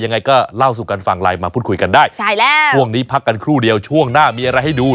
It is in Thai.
ยังไงก็เล่าสู่กันฟังไลน์มาพูดคุยกันได้ใช่แล้วช่วงนี้พักกันครู่เดียวช่วงหน้ามีอะไรให้ดู